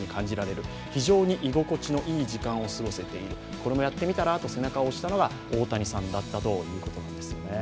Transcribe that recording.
これもやってみたらと背中を押してくれたのは、大谷さんだったということです。